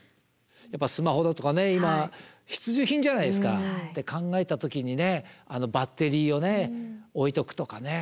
やっぱスマホだとか今必需品じゃないですか。って考えた時にバッテリーを置いとくとかね。